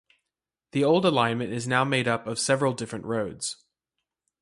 The old alignment is now made up of several different roads.